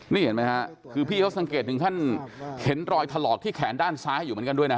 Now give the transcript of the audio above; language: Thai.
นี่เห็นไหมฮะคือพี่เขาสังเกตถึงขั้นเห็นรอยถลอกที่แขนด้านซ้ายอยู่เหมือนกันด้วยนะ